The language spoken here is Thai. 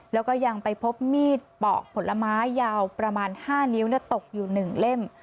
แล้วก็ยังไปพบมีดปอกผลไม้ยาวประมาณ๕นิ้วตกอยู่๑เล่ม